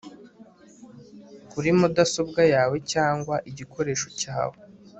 kuri mudasobwa yawe cyangwa igikoresho cyawe